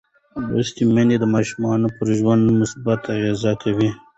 لوستې میندې د ماشوم پر ژوند مثبت اغېز کوي.